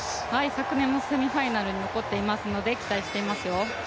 昨年もセミファイナルに残っているので期待していますよ。